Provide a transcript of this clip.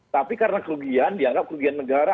tapi karena kerugian dianggap kerugian negara